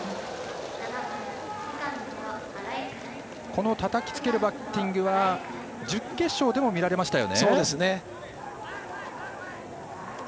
このたたきつけるバッティングは準決勝でも見られました。